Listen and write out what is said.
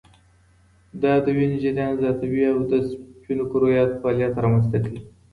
دا د وینې جریان زیاتوي او د سپینو کرویاتو فعالیت رامنځته کوي.